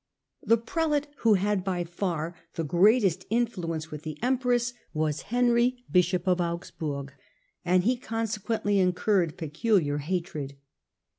The prelate who had by far the greatest influence with the empress was Henry, bishop of Augsburg, and he consequently incurred peculiar hatred.